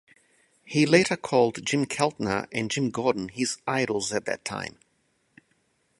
He later called Jim Keltner and Jim Gordon his idols at that time.